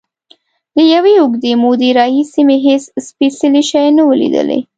له یوې اوږدې مودې راهیسې مې هېڅ سپېڅلی شی نه و لیدلی.